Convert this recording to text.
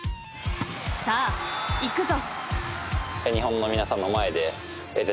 ［さあいくぞ］